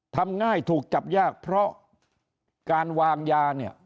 ทำง่ายถูกจับยากเพราะการวางยาเนี่ย